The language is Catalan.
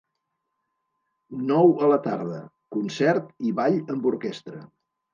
Nou a la tarda: concert i ball amb orquestra.